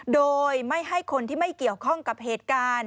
โดยไม่ให้คนที่ไม่เกี่ยวข้องกับเหตุการณ์